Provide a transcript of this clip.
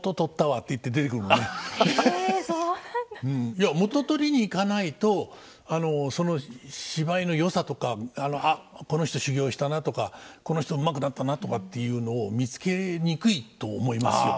いや元取りに行かないとその芝居のよさとか「あっこの人修業したな」とか「この人うまくなったな」とかっていうのを見つけにくいと思いますよ。